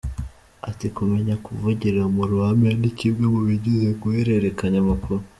Ati “Kumenya kuvugira mu ruhame ni kimwe mu bigize guhererekanya amakuru.